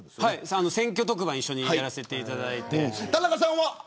選挙特番を一緒にやらせていただいて。